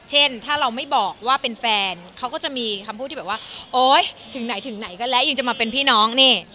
เช่นถ้าเราไม่บอกว่าเป็นแฟนเขาก็จะมีคำพูดที่แบบว่าโอ๊ยถึงไหนถึงไหนก็แล้วยังจะมาเป็นพี่น้องนี่